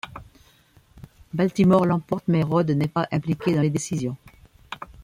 Baltimore l'emporte mais Rhodes n'est pas impliqué dans les décisions.